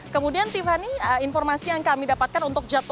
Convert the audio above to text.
kemudian tiffany informasi yang kami dapatkan untuk jadwal